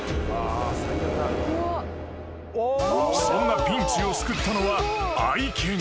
［そんなピンチを救ったのは］